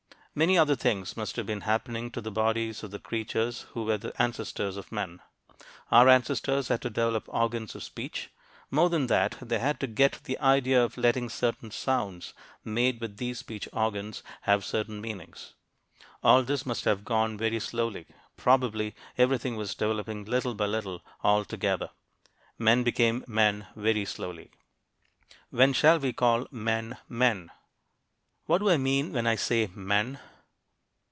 Many other things must have been happening to the bodies of the creatures who were the ancestors of men. Our ancestors had to develop organs of speech. More than that, they had to get the idea of letting certain sounds made with these speech organs have certain meanings. All this must have gone very slowly. Probably everything was developing little by little, all together. Men became men very slowly. WHEN SHALL WE CALL MEN MEN? What do I mean when I say "men"?